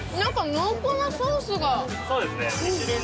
濃厚なソースが。